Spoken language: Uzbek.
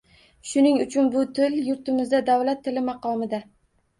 Shu uchun bu til yurtimizda davlat tili maqomida